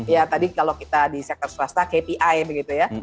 ya tadi kalau kita di sektor swasta kpi begitu ya